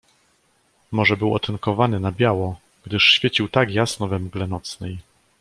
"Może był otynkowany na biało, gdyż świecił tak jasno we mgle nocnej."